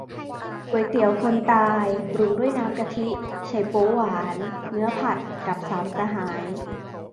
ก๋วยเตี๋ยวคนตาย ปรุงด้วยน้ำกะทิ ไชโป๊วหวาน เนื้อผัด กับสามสหาย